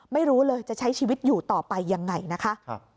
ไม่รู้เลยจะใช้ชีวิตอยู่ต่อไปยังไงนะคะ